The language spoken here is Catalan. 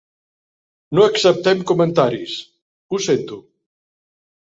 No acceptem comentaris, ho sento.